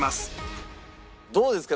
どうですか？